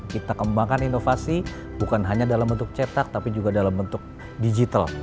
kita kembangkan inovasi bukan hanya dalam bentuk cetak tapi juga dalam bentuk digital